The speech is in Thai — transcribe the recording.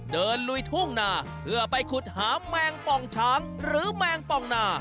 ลุยทุ่งนาเพื่อไปขุดหาแมงป่องช้างหรือแมงป่องนา